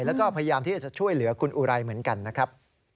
แล้วก็พยายามที่จะช่วยเหลือคุณอุไรเหมือนกันนะครับ